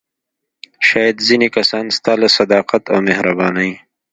شاید ځینې کسان ستا له صداقت او مهربانۍ.